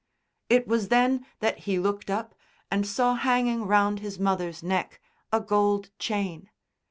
It was then that he looked up and saw hanging round his mother's neck a gold chain.